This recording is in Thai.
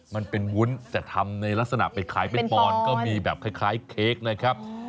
มันเป็นวุ้นแต่ทำในลักษณะไปขายเป็นปอนด์ก็มีแบบคล้ายเค้กนะครับ